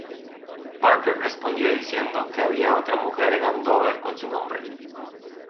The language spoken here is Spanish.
Parker respondió diciendo que había otra mujer en Andover con su nombre.